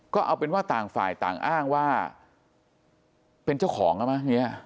ก็เอาเป็นว่าต่างฝ่ายต่างอ้างว่าเป็นเจ้าของอ่ะมั้งอย่างนี้